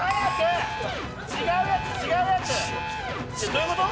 どういうこと⁉